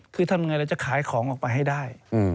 คือทำยังไงเราจะขายของออกไปให้ได้